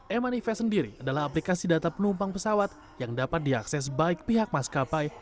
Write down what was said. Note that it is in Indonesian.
e manifest sendiri adalah aplikasi data penumpang pesawat yang dapat diakses baik pihak maskapai